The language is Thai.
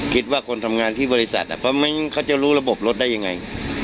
คิดว่าคนทำงานที่บริษัทเขาจะรู้ระบบรถได้ยังไง